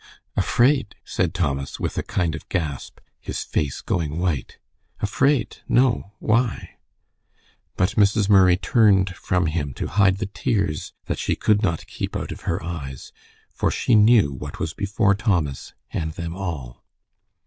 "Afraid!" said Thomas, with a kind of gasp, his face going white. "Afraid! No. Why?" But Mrs. Murray turned from him to hide the tears that she could not keep out of her eyes, for she knew what was before Thomas and them all.